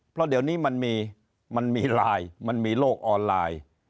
เพราะเดี๋ยวนี้มันมีไลน์มันมีโลกออนไลน์